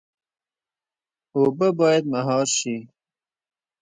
اوبه باید مهار شي